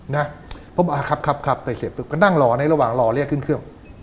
นะผมบอกครับครับไปเสร็จปุ๊บก็นั่งรอในระหว่างรอเรียกขึ้นเครื่อง